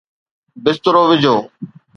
بسترو وجھو